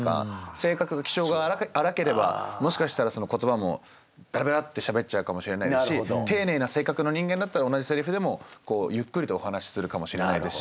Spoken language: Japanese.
性格が気性が荒ければもしかしたら言葉もベラベラってしゃべっちゃうかもしれないし丁寧な性格の人間だったら同じセリフでもゆっくりとお話しするかもしれないですし。